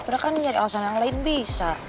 pernah kan nyari alasan yang lain bisa